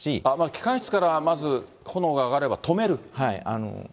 機関室からまず炎が上がれば止める？